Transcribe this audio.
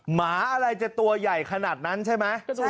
หมาอะไรจะตัวใหญ่ขนาดนั้นใช่ไหม